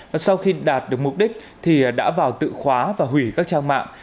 và sau khi đạt được mục đích thì đã vào tự khóa và hủy các trang mạng